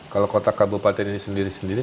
kalau kota kabupatenya sendiri sendiri